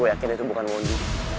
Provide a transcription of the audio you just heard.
gue yakin itu bukan modi